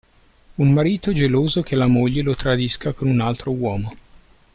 Un marito geloso che la moglie lo tradisca con un altro uomo.